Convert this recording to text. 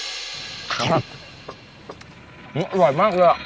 ซีลน้ำนี่อร่อยมากเลยอ่ะ